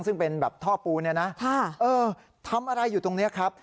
ซึ่งเป็นแบบท่อปูนเนี่ยนะทำอะไรอยู่ตรงนี้ครับ